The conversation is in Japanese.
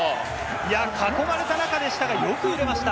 囲まれた中でしたがよく打てました。